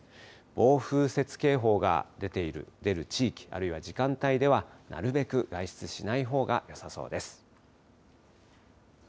暴風雪警報が出ている地域、あるいは時間帯では、なるべく外出しないほうがよさそうです。